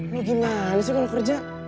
lu gimana sih kalau kerja